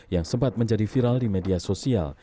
yang sempat menjadi viral di media sosial